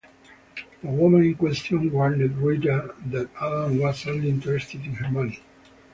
The woman in question warned Rita that Alan was only interested in her money.